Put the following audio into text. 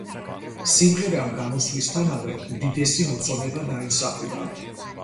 სიმღერამ გამოსვლისთანავე უდიდესი მოწონება დაიმსახურა.